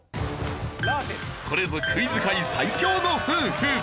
これぞクイズ界最強の夫婦。